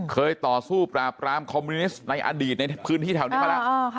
เคยต่อสู้ปราบรามคอมมิวนิสต์ในอดีตในพื้นที่แถวนี้มาแล้ว